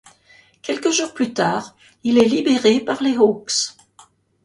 Quelques jours plus tard, il est libéré par les Hawks.